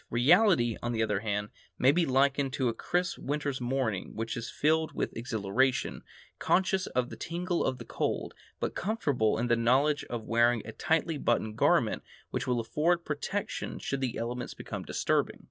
Reality, on the other hand, may be likened to a crisp winter's morning when one is filled with exhilaration, conscious of the tingle of the cold, but comfortable in the knowledge of wearing a tightly buttoned garment which will afford protection should the elements become disturbing.